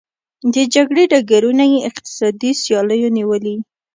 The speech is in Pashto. د جګړې ډګرونه یې اقتصادي سیالیو نیولي.